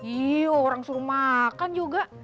iya orang suruh makan juga